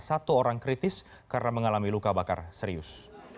satu orang kritis karena mengalami luka bakar serius